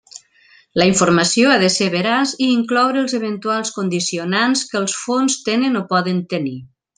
La informació ha de ser veraç i incloure els eventuals condicionants que els fons tenen o poden tenir.